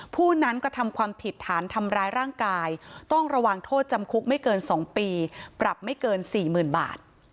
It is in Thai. ผู้นั้นกระทำความผิดฐานทำร้ายร่างกายต้องระวังโทษจำคุกไม่เกิน๒ปีปรับไม่เกิน๔๐๐๐บาท